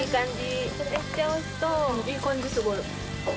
いい感じ、すごい。